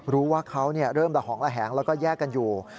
รู้ว่าเขาเริ่มระหองระแหงแล้วก็แยกกันอยู่